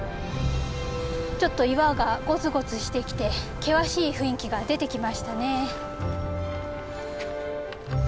ちょっと岩がゴツゴツしてきて険しい雰囲気が出てきましたね。